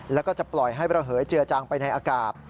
แล้วก็จะปล่อยให้ระเหยเจือจางไปในอากาศ